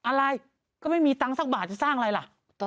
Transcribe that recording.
อะไรก็ไม่มีตังค์สักบาทจะสร้างอะไรล่ะ